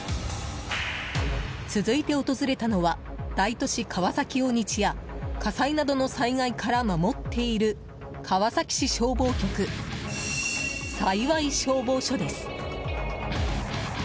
続いて訪れたのは大都市・川崎を日夜、火災などの災害から守っている川崎市消防局幸消防署です。